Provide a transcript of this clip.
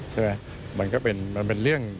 ใช่ไหมมันก็มันเป็นเรื่อง